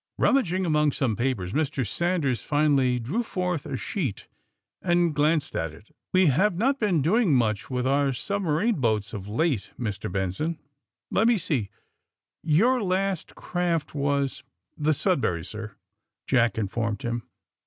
Rummaging among some papers Mr. Sanders finally drew forth a sheet and glanced at it. '^We have not been doing much with our sub marine boats of late, Mr. Benson. Let me see, your last craft was " 12 THE SUBMARINE BOYS < i r£]^Q i Sudbury, ^ sir/' Jack informed him.